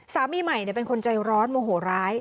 สามีใหม่เป็นคนใจร้อนโมโหร้าย